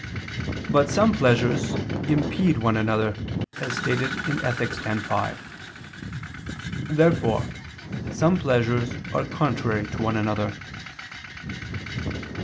But some pleasures impede one another, as stated in Ethic. x, 5. Therefore some pleasures are contrary to one another.